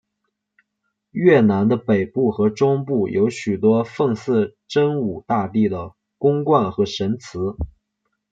越南的北部和中部有许多奉祀真武大帝的宫观和神祠。